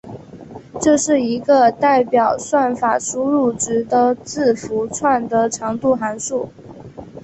这是一个代表算法输入值的字符串的长度的函数。